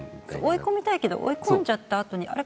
追い込みたいけど追いこんじゃったあとにあれ？